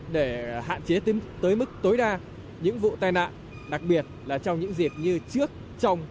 để hạn chế tới mức tối đa những vụ tai nạn đặc biệt là trong những dịp như trước trong